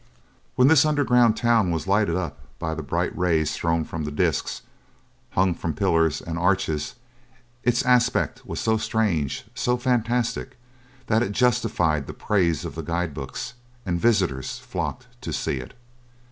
When this underground town was lighted up by the bright rays thrown from the discs, hung from the pillars and arches, its aspect was so strange, so fantastic, that it justified the praise of the guide books, and visitors flocked to see it.